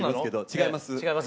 違います？